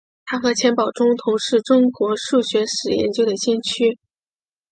他和钱宝琮同是中国数学史研究的先驱。